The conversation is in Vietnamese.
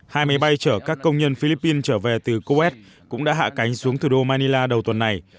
hai máy bay chở các công nhân philippines trở về từ coet cũng đã hạ cánh xuống thủ đô manila đầu tuần này